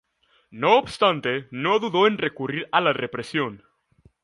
No obstante no dudó en recurrir a la represión.